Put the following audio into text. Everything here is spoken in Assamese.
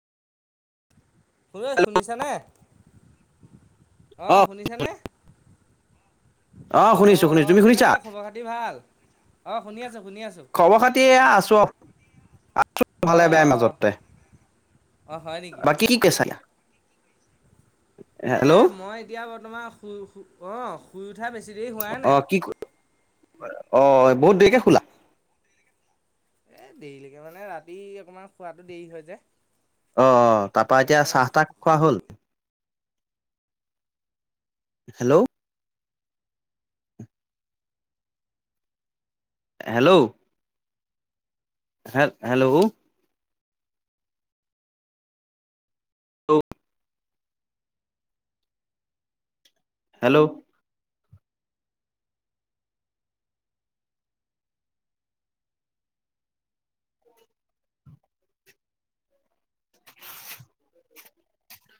ঐ শুনিছানে অ শুনিছে নে অ শুনিছো শুনিছো অ তুমি শুনিছা কেনেুৱা খবৰ খাতি ভাল অ শুনি আছো শুনি আছো খবৰ খাতি এয়া আছোঁ আছো ভালে অঁ বেয়াই অঁ মাজতে অঁ হয় নেকি বাকী কি ক চালা এ মই এতিয়া বৰ্তমান অ শুই শুই উঠাৰ বেছি দেৰি হোৱাই অ নাই কি ক- অ বহুত দেৰিকে শুলা এ দেৰিলৈকে মানে ৰাতি অকমান খোৱাতো দেৰি হয় যে অ অ তাৰ পৰা এতিয়া সেইকাৰণে চাহ তাক খোৱা শুই হ'ল hello. Hello. Hello. Hello hello.